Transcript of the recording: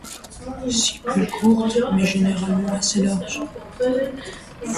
Stipules courtes, mais généralement assez larges.